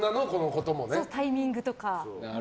タイミングとか。